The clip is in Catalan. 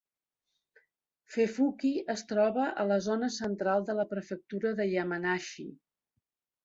Fuefuki es troba a la zona central de la prefectura de Yamanashi.